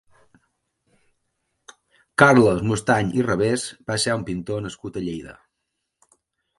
Carles Mostany i Rebés va ser un pintor nascut a Lleida.